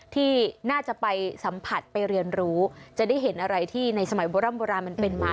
ที่น่าจะไปสัมผัสไปเรียนรู้จะได้เห็นอะไรที่ในสมัยโบร่ำโบราณมันเป็นมา